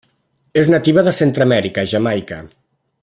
És nativa de Centreamèrica a Jamaica.